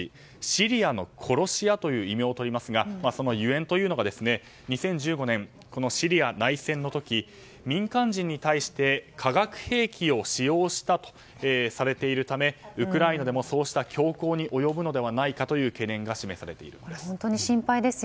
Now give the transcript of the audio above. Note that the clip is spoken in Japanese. シリアの殺し屋という異名をとりますがそのゆえんというのが２０１５年シリア内戦の時、民間人に対して化学兵器を使用したとされているためウクライナでもそうした凶行に及ぶのではないかという懸念が示されているんです。